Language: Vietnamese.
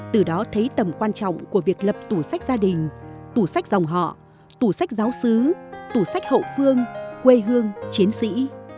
từ đó thấy tầm quan trọng của việc lập tủ sách gia đình tủ sách dòng họ tủ sách giáo sứ tủ sách hậu phương quê hương chiến sĩ